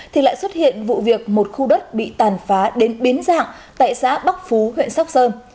thì lại xuất hiện vụ việc một khu đất bị tàn phá đến biến dạng tại xã bắc phú huyện sóc sơn